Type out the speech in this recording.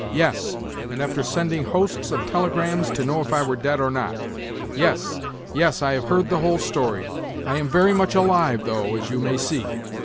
Yes, and after sending hosts of telegrams to know if I were dead or not! Yes, yes, I have heard the whole story. I am very much alive, though, as you may see."